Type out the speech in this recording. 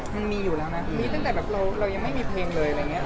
มันมีอยู่แล้วนะมีตั้งแต่แบบเรายังไม่มีเพลงเลยอะไรอย่างนี้